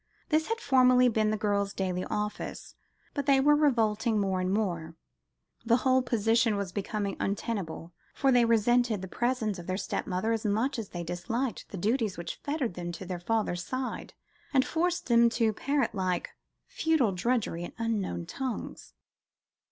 This had formerly been the girls' daily office, but they were revolting more and more, the whole position was becoming untenable, for they resented the presence of their stepmother as much as they disliked the duties which fettered them to their father's side, and forced them to parrot like, futile drudgery in unknown tongues.